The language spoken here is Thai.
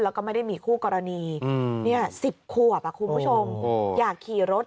แล้วก็ไม่ได้มีคู่กรณี๑๐ขวบคุณผู้ชมอยากขี่รถ